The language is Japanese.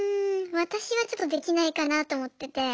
私はちょっとできないかなと思ってて。